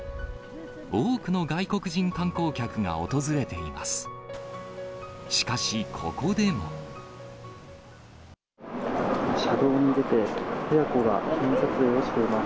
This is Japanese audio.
多くの外国人観光客が訪れています。